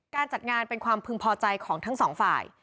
การจัดงานเป็นความพึงพอใจของทั้งสองฝ่าย